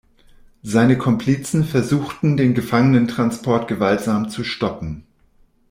Seine Komplizen versuchten den Gefangenentransport gewaltsam zu stoppen.